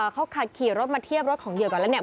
เขาขับขี่รถมาเทียบรถของเหยื่อก่อนแล้วเนี่ย